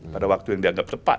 pada waktu yang dianggap tepat